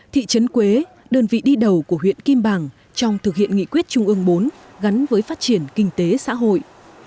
thị trấn quế đơn vị đi đầu của huyện kim bàng trong thực hiện nghị quyết trung ương bốn gắn với phát triển kinh tế xã hội